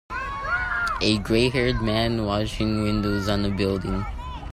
A grayhaired man washing windows on a building.